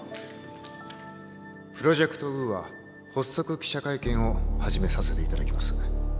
プロジェクト・ウーア発足記者会見を始めさせていただきます。